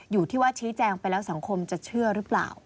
อยู่ที่ว่าชี้แจงไปแล้วสังคมจะเชื่อหรือเปล่า